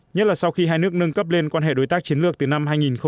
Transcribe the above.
nhất là sau khi hai nước nâng cấp lên quan hệ đối tác chiến lược từ năm hai nghìn một mươi